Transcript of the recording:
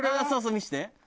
そうそう見せて。